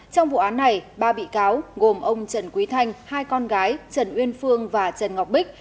trong vụ án này ba bị cáo gồm ông trần quý thanh hai con gái trần uyên phương và trần ngọc bích